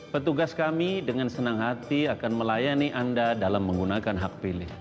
petugas kami dengan senang hati akan melayani anda dalam menggunakan hak pilih